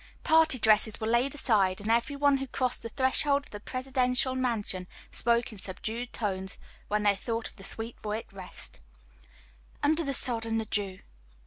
Party dresses were laid aside, and every one who crossed the threshold of the Presidential mansion spoke in subdued tones when they thought of the sweet boy at rest "Under the sod and the dew."